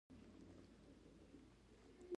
تر رڼا کېدو مخکې خوب راباندې غالب شو، خوب مې یوړ.